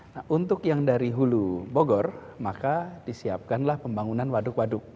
nah untuk yang dari hulu bogor maka disiapkanlah pembangunan waduk waduk